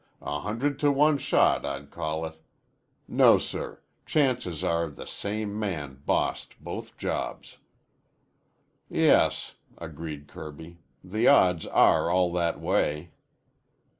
A hundred to one shot, I'd call it. No, sir. Chances are the same man bossed both jobs." "Yes," agreed Kirby. "The odds are all that way."